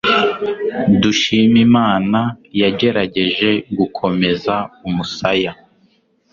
Dushimimana yagerageje gukomeza umusaya.